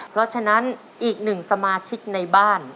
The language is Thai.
เพราะฉะนั้นอีกหนึ่งสมาชิกในบ้าน